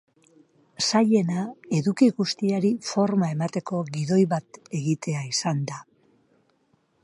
Zailena eduki guztiari forma emateko gidoi bat egitea izan da.